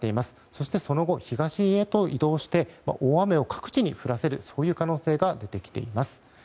そして、その後東へと移動して大雨を各地に降らせる可能性が出てきています。